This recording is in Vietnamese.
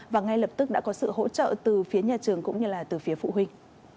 và ngay lập tức đã có sự hỗ trợ từ phía nhà trường cũng như là từ phía phụ huynh